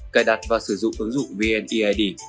cài đặt và sử dụng ứng dụng vfid